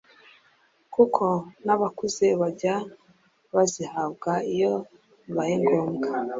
kuko n’abakuze bajya bazihabwa iyo bibaye ngombwa,